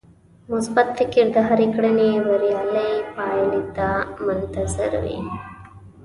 مثبت فکر د هرې کړنې بريالۍ پايلې ته منتظر وي.